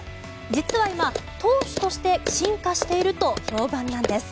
実は今、投手として進化していると評判なんです。